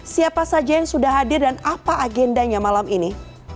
siapa saja yang sudah hadir dan apa agendanya malam ini